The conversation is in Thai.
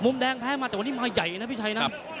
แดงแพ้มาแต่วันนี้มาใหญ่นะพี่ชัยนะ